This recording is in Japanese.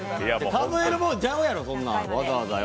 数えるもんちゃうやろわざわざよ。